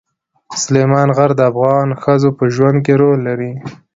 سلیمان غر د افغان ښځو په ژوند کې رول لري.